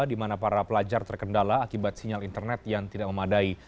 di mana para pelajar terkendala akibat sinyal internet yang tidak memadai